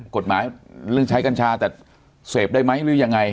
กฎหมายเรื่องใช้กัญชาแต่เสพได้ไหมหรือยังไง